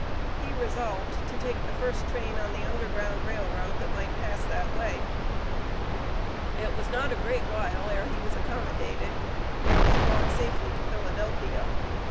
He resolved to take the first train on the Underground Rail Road that might pass that way. It was not a great while ere he was accommodated, and was brought safely to Philadelphia.